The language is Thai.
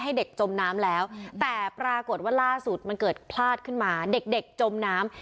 ให้เด็กจมน้ำแล้วแต่ปรากฏว่าล่าสุดมันเกิดพลาดขึ้นมาเด็กเด็กจมน้ำ